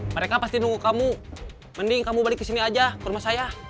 mereka pasti nunggu kamu mending kamu balik ke sini aja ke rumah saya